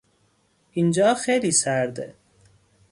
اینجا خیلی سرده!